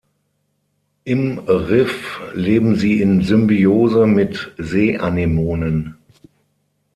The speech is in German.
Im Riff leben sie in Symbiose mit Seeanemonen.